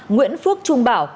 nguyễn phước trung bảo